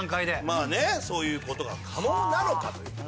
まあねそういう事が可能なのかという。